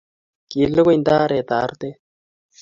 kilukui ndare arte